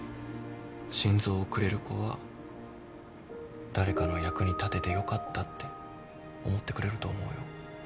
心臓をくれる子は誰かの役に立ててよかったって思ってくれると思うよ。